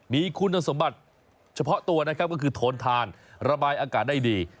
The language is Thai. มีคุณสมบัติเฉพาะตัวนะครับก็คือโทนทานระบายอากาศได้ดี